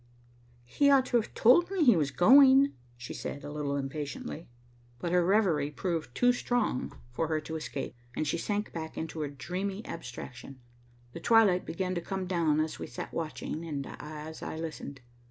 "He ought to have told me he was going," she said, a little impatiently, but her reverie proved too strong for her to escape, and she sank back into her dreamy abstraction. The twilight began to come down as we sat watching and as I listened.